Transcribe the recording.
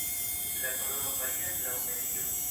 La koloro varias laŭ medio.